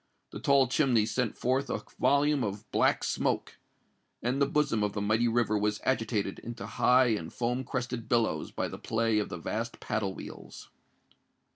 The tall chimney sent forth a volume of black smoke; and the bosom of the mighty river was agitated into high and foam crested billows by the play of the vast paddle wheels.